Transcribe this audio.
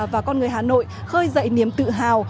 và con người hà nội khơi dậy niềm tự hào